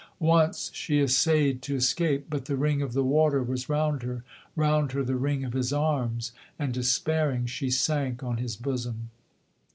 Once she essayed to escape: but the ring of the water was round her, Round her the ring of his arms; and despairing she sank on his bosom.